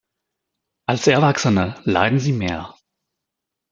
Als Erwachsene leiden sie mehr.